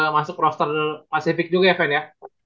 masuk roster pacific juga ya ben ya